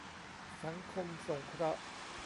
สังคมสงเคราะห์